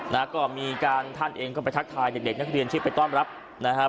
นะฮะก็มีการท่านเองก็ไปทักทายเด็กเด็กนักเรียนที่ไปต้อนรับนะฮะ